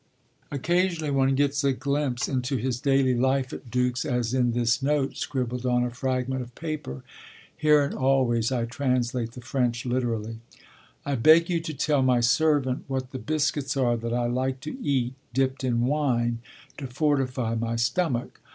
Occasionally, one gets a glimpse into his daily life at Dux, as in this note, scribbled on a fragment of paper (here and always I translate the French literally): 'I beg you to tell my servant what the biscuits are that I like to eat, dipped in wine, to fortify my stomach.